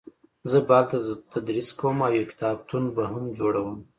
زه به هلته تدریس کوم او یو کتابتون به هم جوړوم